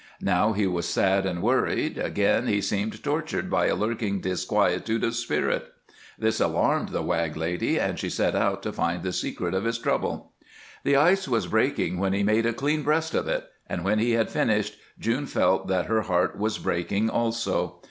Now he was sad and worried, again he seemed tortured by a lurking disquietude of spirit. This alarmed the Wag lady, and she set out to find the secret of his trouble. The ice was breaking when he made a clean breast of it, and when he had finished June felt that her heart was breaking also.